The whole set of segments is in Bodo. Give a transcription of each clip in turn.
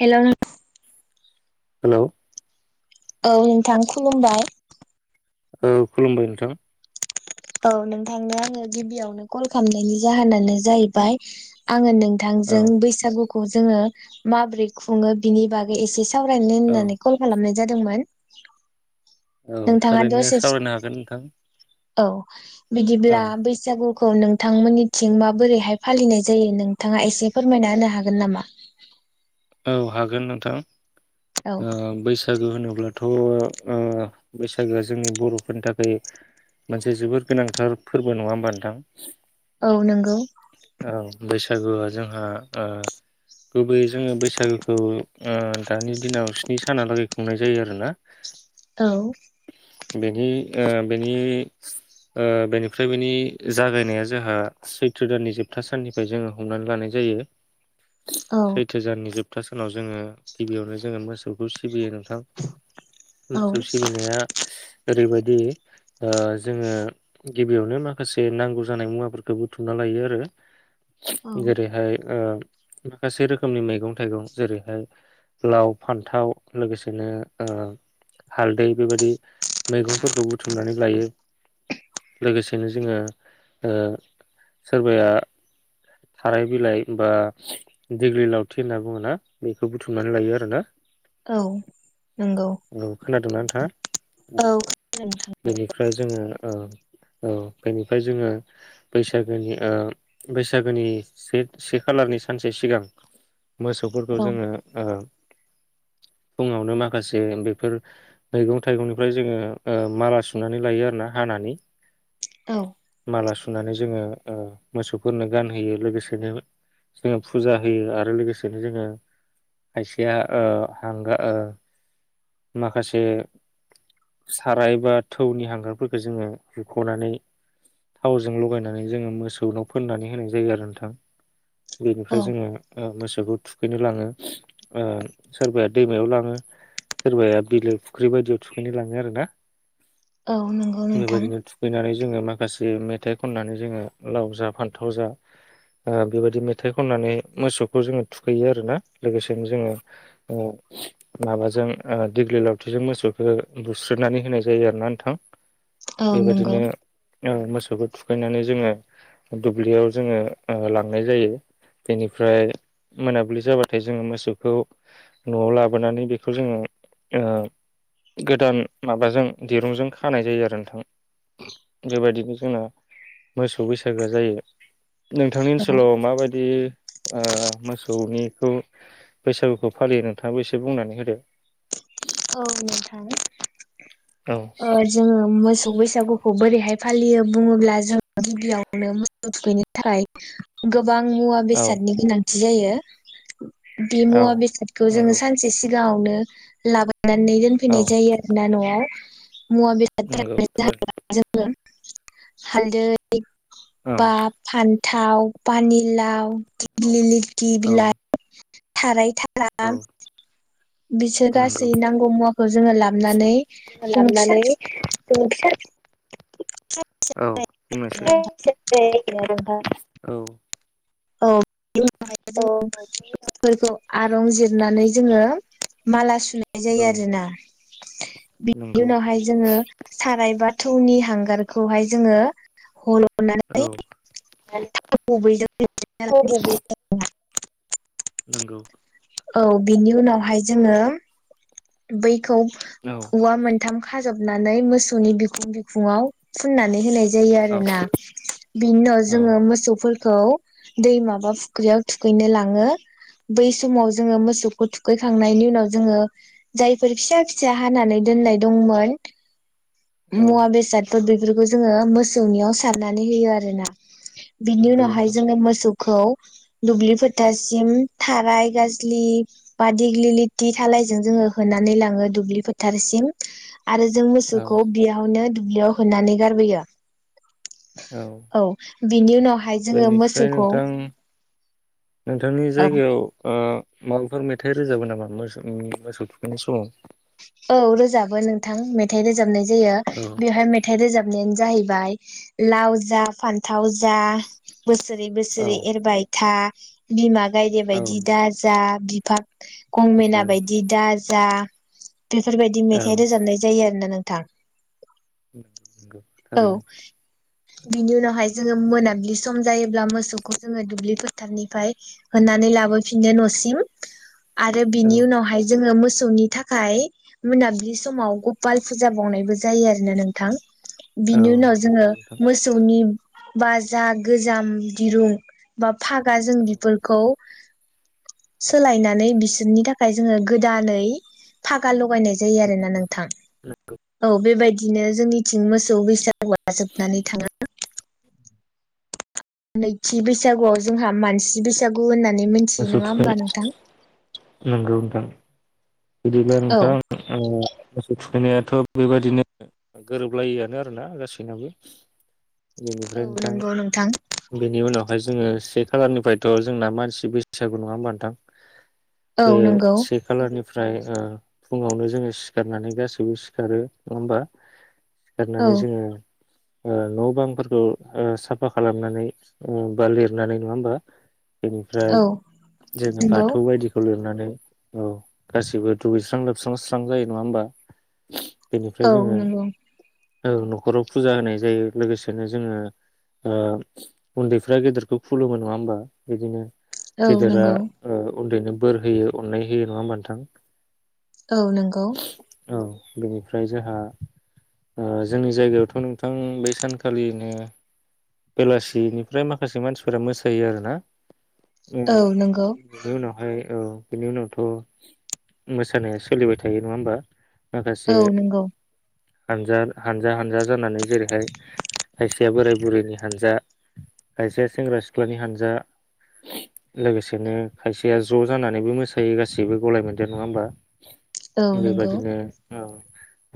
हेलौ नों हेलौ औ नोंथां खुलुमबाय औ खुलुमबाय नोंथां औ नोंथांनो आङो गिबियावनो कल खालामनायनि जाहोनानो जाहैबाय आङो नों थां औ जों बैसागु खौजोङो माब्रै खुङो बिनि बागै एसे सावरायनो औ होननानै कल खालामनाय जादोंमोन औ नोंथाङा थारैनो दसे सावरायनो हागोन नोंथां [inaudible] औ बिदिब्ला बैसागु खौ‌ नोंथांमोननिथिं माबोरैहाय फालिनाय जायो नोंथाङा एसे फोरमायना होनो हागोन नामा औ हागोन नोंथां औ ओ बैसागो होनोब्ला थ थ बैसागोआ जोंनि बरफोरनि थाखाय मोनसे जोबोर गोनांथार फोरबो नङा होमबा नोंथां औ नोंगौ औ बैसागुआ जोंहा ओ गुबैयै जोङो बैसा बैसागोखौ ओ दानि दिनाव स्नि सानालागैखौ खुंनाय जायो आरोना औ बेनि ओ बेनि ओ बेनिफ्राय बेनि जागायनाया जोंहा सैथ्रो दाननि जोबथा साननिफ्राय जोङो हमनानै लानाय जायो। औ सैथो जाननि जोब सप्था सानाव जोङो गिबियावनो जोङो मोसौखौ सिबियो नोंथां‌ औ मोसौ सिबिनाया ओरैबायदि दे ओ जोङो गिबियावनो माखासे नांगौ जानाय मुवाफोरखौ बुथुमना लायो आरो। औ जेरैहाय ओ माखासे रोखोमनि मैगं मैगं थाइगं जेरैहाय लाव फान्थाव लोगोसेनो हालदै बेबायदि मैगंफोरखौ बुथुमनानै लायो लोगोसेनो ओ जोङो सोरबाया थाराय बिलाइ बा दिग्लिलिथि होनना बुङो ना बेखौ बुथुमनानै लायो आरो। औ नंगौ औ खोनादोंना नोंथाङा औ बेनिफ्राय जोङो ओ औ बेनिफ्राय जोङो बैसागोनि ओ बैसागोनि से से खालारनि सानसे सिगां मोसौफोरखौ औ जोङो ओ फुङावनो माखासे बेफोर मैगं थाइगंनिफ्राय जोङो ओ माला सुनानै लायो आरो ना हानानै औ माला सुनानै जोङो ओ मोसौफोरनो गानहोयो लोगोसेनो जोङो फुजा होयो आरो लोगोसेनो बिनो जोङो खायसेया ओ हांगार ओ माखासे साराय बा थौनि हांगारफोरखौ जोङो हुखनानै थावजों लगायनानै जोङो मोसौनाव फोननानै होनाय जायो आरो नोंथां। बेनिफ्राय औ जोङो ओ मोसौ [unintelligible] थुखैनो लाङो ओ‌ सोरबाया दैमायाव लाङो सोरबाया बिलो फुख्रि बायदियाव थुखैनो लाङो आरो ना। औ नोंगौ नोंथां बेबायदिनो थुखैनानै जोङो माखासे मेथाइ खननानै जोङो लाव जा फान्थाव जा ओ बेबायदि मेथाइ खननानै मोसौखौ जोङो थुखैयो आरोना लोगोसेनो जोङो ओ माबाजों दिग्लि ओ लावथिजों मोसौखौ बुस्रोनानै होनाय जायो आरोना नोंथां। औ नंगौ बेबायदिनो ओ मोसौखौ थुखैनानै जोङो दुब्लियाव जोङो ओ लांनाय जायो। बेनिफ्राय मोनाबिलि जाबाथाय जोङो मोसौखौ न'आव लाबोनानै बेखौ जोङो ओ गोदान माबाजों दिरुंजों खानाय जायो आरो नोंथां, बेबायदिनो जोंना मोसौ बैसागोआ जायो। नोंथांनि ओनसोलाव माबायदि ओ मोस खौ निखौ बैसागुखौ फालियो नोंथाङाबो एसे बुंनानै होदो। औ नोंथां औ ओ जोङो मोसौ बैसागुखौ बोरैहाय फालियो बुङोब्ला जों गिबियावनो मोसौ थुखैनो थाखाय गोब बां मुवा औ बेसादनि गोनां थि जायो। बे औ मुवा बेसादखौ जोङो नंगौ सानसे सि गावनो लाबो नानै औ दोनफैनाय जायो आरोना न'आव। मुवा नंगौ बेसाद थारैनो [unintelligible] हालदै औ बा फान थाव पानि लाव दिग्लिलिथि औ बिलाइ थाराय था औ [unintelligible] बिसोर गासै नंगौ नांगौ मुवाखौ जोङो लाबोनानै जों फिसा लाबनानै फि जों फिसा औ बुंनोसै [unintelligible] औ औ औ [unintelligible] आरं जिरनानै जोङो माला सु नाय जायो आरोना बिनि नंगौ उनावहाय जोङो साराय बा थौनि हांगारखौहाय जोङो हल' नानै औ थाव गुबैजों [unintelligible] नोंगौ औ बिनि उनावहाय जोङो बै खौ औ औवा मोनथाम खाजबनानै मोसौनि बिखुं बिखुङाव फुननानै होनाय ज जायो औ आरोना बिनि उनाव औ जोङो मोसौफोर खौ दै माबा फुख्रियाव थुखैनो लाङो बै समाव जोङो मोसौखौ थुखैखांनायनि उनाव जोङो जायफोर फिसा फिसा हानानै दोननाय दंमोन औ मुवा बेसादफोर बे बेफोरखौ जोङो मोसौनियाव सारनानै होयो आरो ना बिनि नंगौ उनावहाय नोंथां जोङो मोसौ खौ दुब्लि फोथारसिम थाराय गाजलि बा दिग्लि लिथि दालायजों जोङो होनानै लाङो दुब्लि फोथारसिम आरो जों औ मोसौखौ बेयावनो दुब्लियाव होनानै गारबोयो औ बिनि उनाव बेनिफ्राय नोंथां नोंथांनि औ जायगायाव ओ माबाफोर मेथाइ रोजाबो नाम [unintelligible] मोसो मोसौ थुखैनाय समाव औ रोजाबो नोंथां मेथाइ रोजाबनाय जायो औ बेयावहाय मेथाइ रोजाब नायानो जाहैबाय लाव जा फान्थाव जा बोसोरै औ बोसोरै एरबाय था बिमा गायदे औ बायदि दाजा बिफा गंमेना नंगौ बायदि दाज जा बेफोरबायदि मेथाइ रोजाबनाय जायो आरोना नोंथ थां उ नोंगौ थारैनो बिनि उनावहाय जोङो मोनाबिलि सम जायोब्ला मोसौखौ जोङो दुब्लि फोथारनिफ्राय होनानै लाब बो फिनो न'सिम आरो औ बिनि उनावहाय जोङो मोस सौनि थाख खाय मोनाबिलि समाव गपाल फुजा बावनायबो जायो आरो ना नोंथां। औ बिनि उनाव जोङो नंगौ नोंथां मोसौनि बा जा गोजाम दिरुं बा फागा जों औ बिफोरखौ सोलायनानै बिसो रनि थाखाय जोङो गोदानै फागा ल गायनाय जायोआरोना नोंथां औ बेबाय बिदिनो जोंनिथिं मोसौ बैसा [inaudible] जोबनानै [unintelligible] नैथि बैसागुआव जोंहा मानसि बैसागु होनना नै मोनथियो मोसौ नङा थुखै होमबा नोंथां? नंगौ नोंथां। बिदिब्ला औ नोंथां ओ मोसौ थुखैनायाथ' बेबायदिनो गोरोबलायिआनो आरोना गासैनाबो बेनिफ्राय औ नोंथां नंगौ नोंथां बेनि उनाव जोङो से खालारनिफ्रायथ' जोंना मानसि बैससागु नङा होमबा नोंथां? औ बे नंगौ से खालारनि फ्राय फुङावनो जोङो सिखारनानै गासैबो सिखारो नङा होमबा? औ सिखारनानै जोङो ओ न' बांफोरखौ ओ साफा खालामनानै ओ बा लिरनानै नङा होमबा? बेनिफ्राय औ जोङो नंगौ बाथौ बायदिखौ लिरनानै औ गासिबो दुगैस्रां लोबस्रां स्रां जायो नङा होमबा? बेनिफ्राय औ जोङो नंगौ औ न'खराव फुजा होनाय जायो लोगोसेनो जोङो ओ उन्दैफ्रा गेदेरखौ खुलुमो नङा होमबा बिदिनो औ गेदेरा नंगौ ओ उन्दैनो बोर होयो अननाय होयो नङा होमबा नों थां? औ नंगौ औ बेनिफ्राय जोंहा ओ जोंनि जायगायावथ' नोंथां बै सानखालिनो बेलासिनिफ्राय माखासे मानसिफोरा मोसायो आरोना उम औ नंगौ बेनि उनावहाय औ बिनि उनावथ' मोसानाया सोलिबाय थायो नङा होमबा? माखासे औ नंगौ हानजा हानजा हानजा जानानै जेरैहाय खायसेया बोराय बुरैनि हानजा खायसेया सेंग्रा सिख्लानि हानजा लोगोसेनो खायसेया ज' जानानैबो मोसायो गासैबो गलाय मोन देर नङा होमबा? औ नंगौ बेबादिनो औ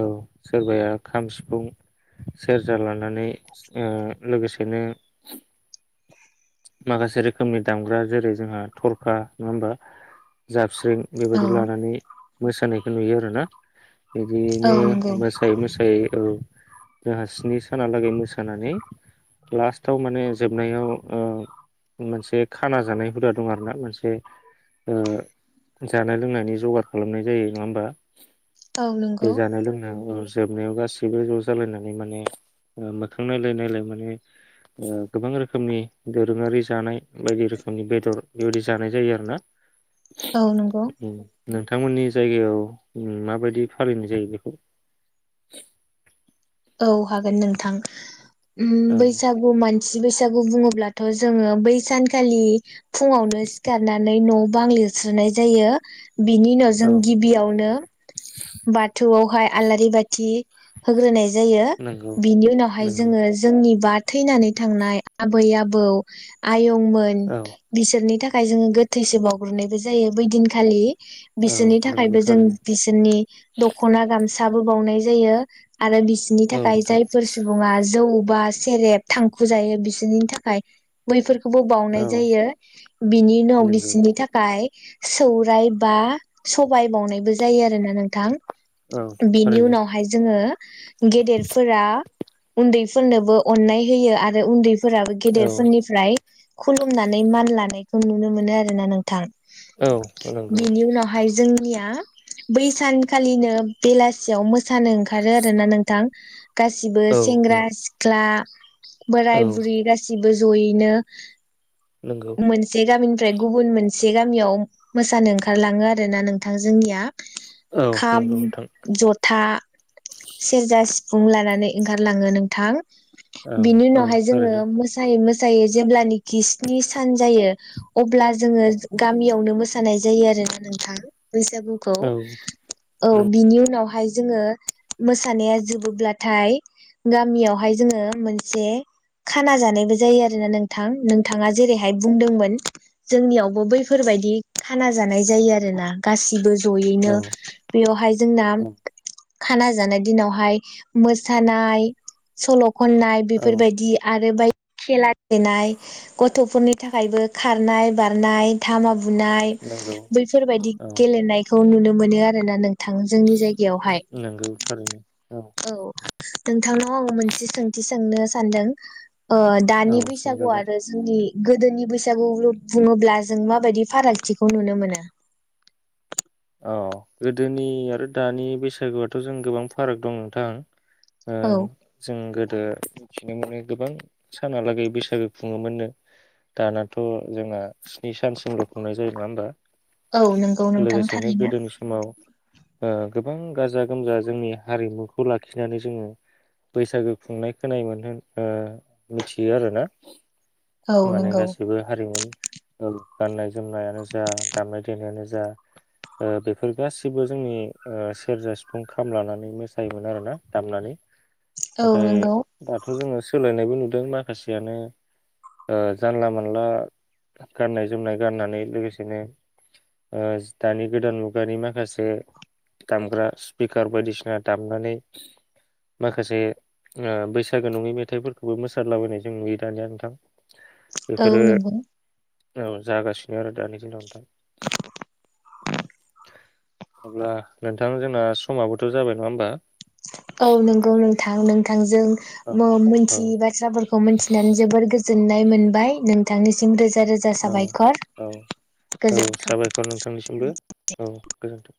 औ सोरबाया खाम, सिफुं, सेरजा लानानै ओ लोगोसेनो माखासे रोखोमनि दामग्रा जेरै जोंहा थरखा नङा होमबा जाबस्रिं औ लानानै मोसानायखौ नुयो आरो ना। औ बिदियैनो नंगौ मोसायै मोसायै औ जोंहा स्नि सानाला जानाय लोंनायनि जगार खालामनाय जायो नङा होमबा? औ बे नंगौ जानाय लोंनायाव ओ जोबनायाव गासैबो ज' जालायनानै माने ओ मोखां नायलाय नायलाय माने ओ गोबां रोखोमनि दोरोङारि जानाय बायदि रोखोमनि बेदर बेबायदि जानाय जायो आरो ना। औ नंगौ। उम नोंथांमोननि जायगायाव उम माबायदि फालिनाय जायो बेखौ? औ हागोन नोंथां। उम औ बैसागु मान सि बैसागु बुङोब्लाथ' जोङो बै सानखालि फुङावनो सिखारनानै न' बां लिरस्रोनाय जायो। बिनि उनाव जों औ गिबियावनो बाथौआवहाय आलारि बाथि होग्रोनाय जायो। नंगौ बिनि उनावहाय नंगौ जोङो जोंनि बा थैनानै थांनाय आबै, आबौ आ यंमोन औ बिसोरनि था खाय जोङो गोथैसो बावग्रोनायबो जायो बै दिनखालि। औ बिसोरनि नंगौ थाखायबो जों थारैनो बिसोरनि दख'ना गाम सा बो बावनाय जायो। आरो बि नि औ थाखाय नोंथां जायफोर सुबुङा जौ बा सेरेब थांखु जायो बिसोरनि थाखाय बैफोर खौबो बावनाय औ जायो। बिनि उनाव नंगौ बिसिनि थाखाय सौराय बा सबाइ बावनायबो जायो आरोना नोंथां। औ बेनि थारैनो उनावहाय जोङो गेदेरफोरा उन्दैफोरनोबो अननाय होयो आरो उन्दै फोराबो औ गेदेरफोरनिफ्राय खुलुमनानै मान लानायखौ नुनो मोनो आरोना नों थां। औ नंगौ बिनि उनावहाय जों [unintelligible] बै सानखालिनो बेलासियाव मो [unintelligible] ओंखारो आरो ना नों [unintelligible] गासिबो औ औ सेंग्रा सिख्ला [inaudible] बोराय औ बुरि गासि बो जयैनो नंगौ मोनसे गामिनिफ्राय गुबुन मोन से गामियाव मोसानो ओंखारलाङो आरो ना नोंथां जोंनिया। औ खाम, नंगौ नोंथां जथा, सि [unintelligible] सिफुं लानानै ओंखारलाङो नोंथां। औ बिनि औ उनावहाय जोङो थारैनो मोसायो। [unintelligible] जेब्लानिखि स्नि सान जायो अब्ला जोङो गामियावनो मोसा सा नाय जायो आरोना नोंथां। बैसागुखौ औ औ नों बिनि उनावहाय जोङो मो सानाया जोबोब्लाथाय गामियावहाय जोङो मोनसे खाना जानायबो जायो आरोना नोंथां नोंथाङा जेरैहाय बुंदोंमोन जोंनियावबो बैफोरबादि खाना जानाय जायो आरोना गासिबो। जयैनो औ बेयावहाय जोंना औ खाना जानाय दिनावहाय मोसानाय सल' खननाय औ बेफोरबायदि आरो बाय खेला गेलेनाय गथ'फोरनि थाखायबो खारनाय बारनाय धामा बुनाय नंगौ बैफोरबायदि औ गेलेनायखौ नुनो मोनो आरोना नों थां जोंनि जायगायावहाय। थैनो औ। नोंथांनाव आङो मोनसे सोंथि सोंनो सानदों। ओ औ दानि बैसागु सोंजागोन आरो जोंनि गोदोनि बैसागु बुङोब्ला जों मा बायदि फारागथिखौ नुनो मोनो? अ गोदोनि आरो दानि बैसागुआथ' जों गोबां फाराग दं नोंथां। ओ औ जों गोदो सिगांआवहाय गोबां सानहालागै बैसागो खुङोमोननो। दानाथ' जोंना स्नि सानसिमल' खुंनाय जायो नङा होमबा। औ नंगौ नोंथां। बिदिनो थारैनो गोदोनि समाव ओ गोबां गाजा गोमजा जोंनि हारिमुखौ लाखिनानै जोंङो बैसागु खुंनायखौ मिथियो आरोना। औ माने नंगौ गासैबो हारिमु औ गाननाय जोमनायानो जा दामनाय देनायानो जा ओ बेफोर गासैबो जोंनि सेरजा सिफुं खाम लानानै मोसायोमोन आरोना दामनानै। औ नाथाय नंगौ दाथ जोंङो सोलायनायबो नु बै माखासेयानो ओ जानला मोनला गाननाय जोमनाय गाननानै लोगोसेनो ओ दानि गोदान मुगानि माखासे दामग्रा स्पिकार बायदिसिना दामनानै माखासे बैसागु नंङै मेथाइफोरखौबो मोसाला बायनाय जों नुयो दानिया नोंथां। औ बेफोरो नंगौ औ जागासिनो आरो दानि दिनाव नोंथां। अब्ला नोंथां जोंना समाबोथ जाबाय नङा होमबा। औ नंगौ नोंथां नोंथांजों औ म औ मिथियै बाथ्राफोरखौ मिथिनानै जोबोर गोजो ननाय मोनबाय नोंथांनिसिम रो औ औ औ गोजोन्थों। साबायखर नोंथांनिसिमबो औ गोजोन्थों।